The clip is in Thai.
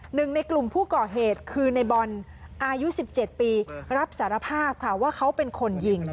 หนึ่งในกลุ่มผู้ก่อเหตุคือในบอลอายุ๑๗ปีรับสารภาพค่ะว่าเขาเป็นคนยิง